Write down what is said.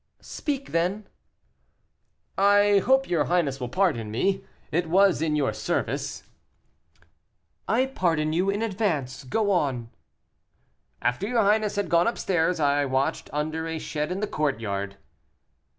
"Speak, then." "I hope your highness will pardon me it was in your service." "I pardon you in advance. Go on." "After your highness had gone up stairs, I watched under a shed in the courtyard."